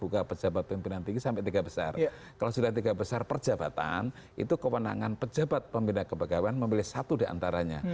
kalau sudah tiga besar perjabatan itu kewenangan pejabat pembina kepegawaian memilih satu diantaranya